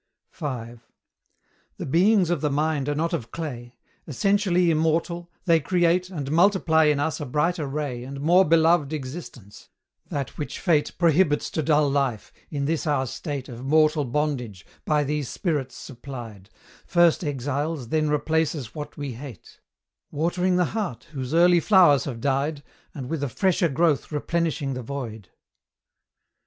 V. The beings of the mind are not of clay; Essentially immortal, they create And multiply in us a brighter ray And more beloved existence: that which Fate Prohibits to dull life, in this our state Of mortal bondage, by these spirits supplied, First exiles, then replaces what we hate; Watering the heart whose early flowers have died, And with a fresher growth replenishing the void.